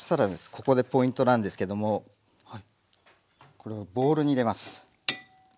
ここでポイントなんですけどもこれをボウルに入れます。